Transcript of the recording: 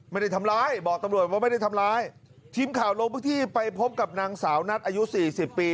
ไม่ได้ทำร้ายบอกตำรวจว่าไม่ได้ทำร้ายทีมข่าวลงพื้นที่ไปพบกับนางสาวนัทอายุสี่สิบปี